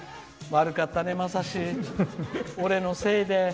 悪かったね、まさし俺のせいで。